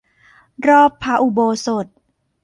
รอบพระอุโบสถ